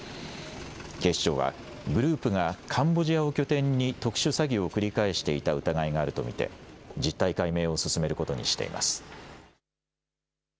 警視庁は、グループがカンボジアを拠点に、特殊詐欺を繰り返していた疑いがあると見て、実態解明を進めることにしています。